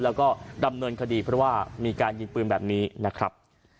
แล้วก็ดำเนินคดีเพราะว่ามีการยิงปืนแบบนี้นะครับ